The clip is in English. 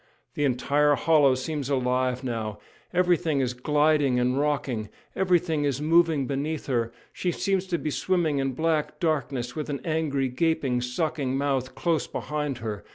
The entire hollow seems alive now; everything is gliding and rocking, everything is moving beneath her; she seems to be swimming in black darkness with an angry, gaping, sucking mouth close behind her.